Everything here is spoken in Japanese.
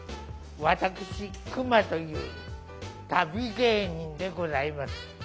私クマという旅芸人でございます。